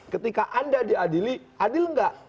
ketika anda diadili adil nggak